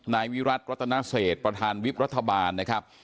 นายวิรัติรัตนเศษประธานวิบรัฐบาลนะครับ